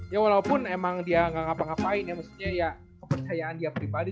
ya walaupun emang dia nggak ngapa ngapain ya maksudnya ya kepercayaan dia pribadi